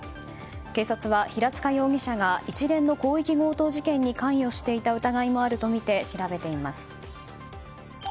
警察は、平塚容疑者が一連の広域強盗事件に関与していた疑いもあるとみて調べています。